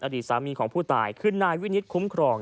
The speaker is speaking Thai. อดีตสามีของผู้ตายคือนายวินิตคุ้มครอง